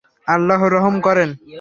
আল্লাহ রহম করেন।